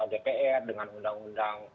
dpr dengan undang undang